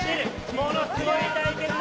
ものすごい対決だ。